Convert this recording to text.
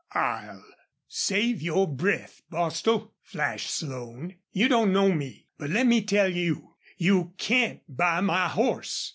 "I'll " "Save your breath, Bostil," flashed Slone. "You don't know me. But let me tell you you CAN'T BUY my horse!"